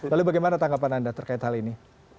lalu bagaimana tanggapan anda terkait hal ini